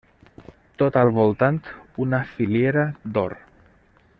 Tot al voltant, una filiera d'or.